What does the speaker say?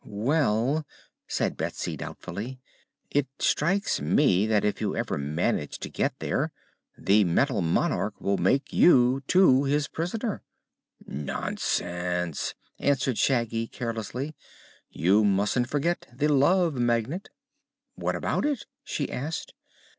"Well," said Betsy doubtfully, "it strikes me that if you ever manage to get there the Metal Monarch will make you, too, his prisoner." "Nonsense!" answered Shaggy, carelessly. "You mustn't forget the Love Magnet." "What about it?" she asked.